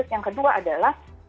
yang kedua adalah